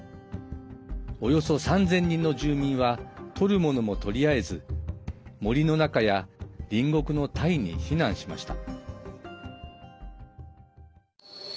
およそ３０００人の住民は取るものも取り合えず森の中や、隣国のタイに避難しました。